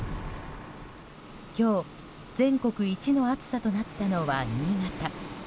今日全国一の暑さとなったのは新潟。